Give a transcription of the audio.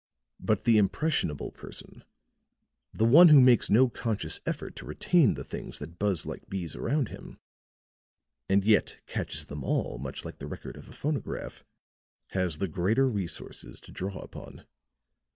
But the impressionable person the one who makes no conscious effort to retain the things that buzz like bees about him and yet catches them all much like the record of a phonograph has the greater resources to draw upon."